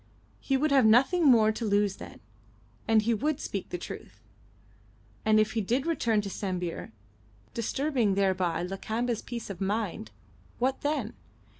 He would have nothing more to lose then, and he would speak the truth. And if he did return to Sambir, disturbing thereby Lakamba's peace of mind, what then?